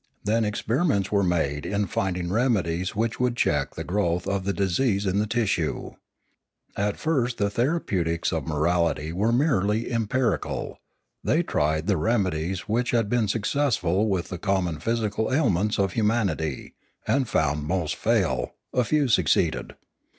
Then experiments were made in finding remedies which would check the growth of the disease in the tissue. At first the thera peutics of morality were merely empirical; they tried the remedies which had been successful with the com mon physical ailments of humanity, and found most fail, a few succeed.